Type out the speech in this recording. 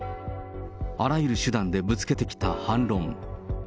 あらゆる手段でぶつけてきた反論。